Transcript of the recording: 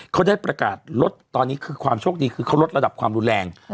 เขาได้ประกาศลดตอนนี้คือความโชคดีคือเขาลดระดับความรุนแรง